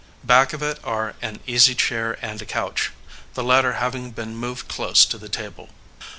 Back of it are an easy chair and a couch, the latter having been moved close to the table.